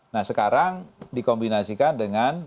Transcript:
nah sekarang dikombinasikan dengan